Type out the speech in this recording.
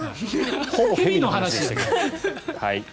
ほぼ蛇の話でしたけど。